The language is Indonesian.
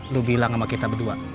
lu bilang sama kita berdua